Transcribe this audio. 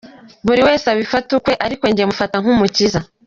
Buri wese abifata ukwe ariko njye mufata nk’umukiza.